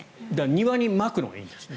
庭にまくのはいいんですね。